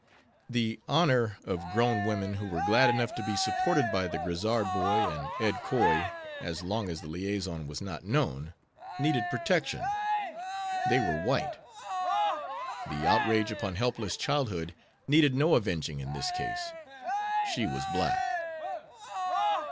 The "honor" of grown women who were glad enough to be supported by the Grizzard boys and Ed Coy, as long as the liaison was not known, needed protection; they were white. The outrage upon helpless childhood needed no avenging in this case; she was black.